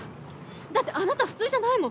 だってあなた普通じゃないもん。